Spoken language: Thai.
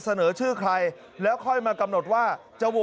สมัยไม่เรียกหวังผม